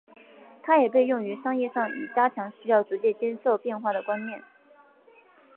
它也被用于商业上以加强需要逐渐接受变化的观念。